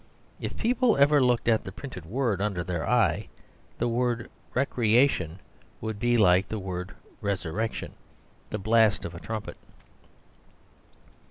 If people ever looked at the printed word under their eye, the word "recreation" would be like the word "resurrection," the blast of a trumpet.